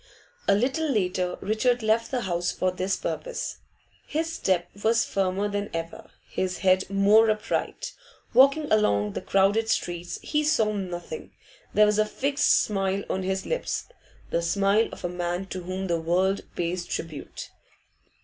A little later Richard left the house for this purpose. His step was firmer than ever, his head more upright Walking along the crowded streets, he saw nothing; there was a fixed smile on his lips, the smile of a man to whom the world pays tribute.